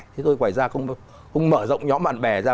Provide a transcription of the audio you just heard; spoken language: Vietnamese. thế tôi quay ra không mở rộng nhóm bạn bè ra